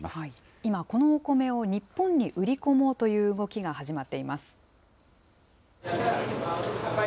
今このお米を、日本に売り込もうという動きが始まっています。